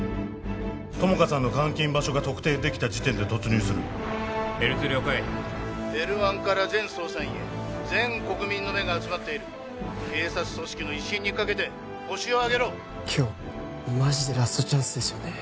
友果さんの監禁場所が特定できた時点で突入するＬ２了解Ｌ１から全捜査員へ全国民の目が集まっている警察組織の威信にかけてホシを挙げろ今日マジでラストチャンスですよね